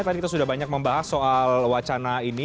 tadi kita sudah banyak membahas soal wacana ini